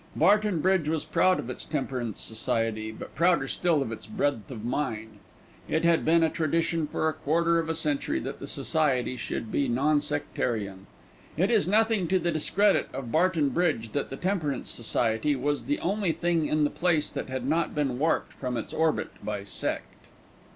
Barton Bridge was proud of its Temperance Society, but prouder still of its breadth of mind. It had been a tradition for a quarter of a century that the Society should be non sectarian. It is nothing to the discredit of Barton Bridge that the Temperance Society was the only thing in the place that had not been warped from its orbit by sect.